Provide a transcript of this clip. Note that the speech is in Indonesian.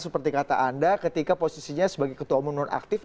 seperti kata anda ketika posisinya sebagai ketua umum nonaktif